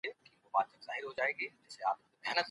د تجارت او سوداګرۍ اجازې او امتیازات واخیستل.